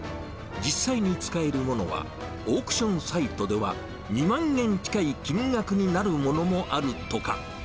実際に使えるものは、オークションサイトでは２万円近い金額になるものもあるとか。